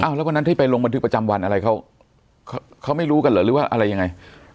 แล้ววันนั้นที่ไปลงบันทึกประจำวันอะไรเขาเขาไม่รู้กันเหรอหรือว่าอะไรยังไง